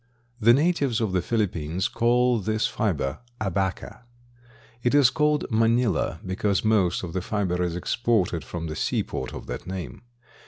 The natives of the Philippines call this fiber Abaca. It is called Manila because most of the fiber is exported from the seaport of that name.